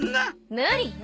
無理よ。